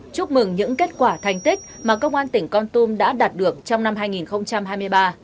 chúc mừng những kết quả thành tích mà công an tỉnh con tum đã đạt được trong năm hai nghìn hai mươi ba